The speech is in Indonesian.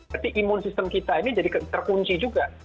berarti imun sistem kita ini jadi terkunci juga